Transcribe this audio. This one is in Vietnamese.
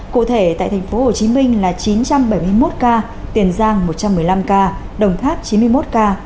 cụ thể tại tp hcm là chín trăm bảy mươi một ca tiền giang một trăm một mươi năm ca đồng tháp chín mươi một ca